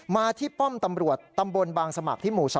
มาที่ป้อมตำรวจตำบลบางสมัครที่หมู่๒